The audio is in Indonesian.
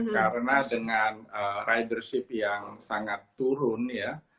karena dengan ridership yang sangat turun ya